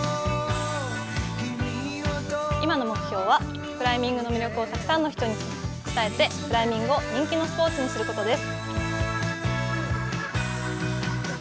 今の目標はクライミングの魅力をたくさんの人に伝えて、クライミングを人気のスポーツにすることです。